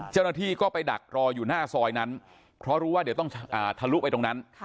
เจ้าหน้าที่ก็ไปดักรออยู่หน้าซอยนั้นเพราะรู้ว่าเดี๋ยวต้องทะลุไปตรงนั้น